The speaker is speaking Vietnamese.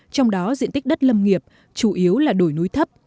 trong đó diện tích đất lâm nghiệp chủ yếu là đồi núi thấp